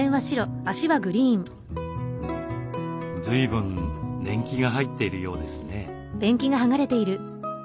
ずいぶん年季が入っているようですね。